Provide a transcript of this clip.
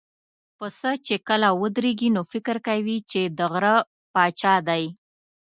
پسه چې کله ودرېږي، نو فکر کوي چې د غره پاچا دی.